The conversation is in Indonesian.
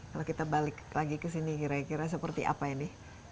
kalau kita balik lagi ke sini kira kira seperti apa ini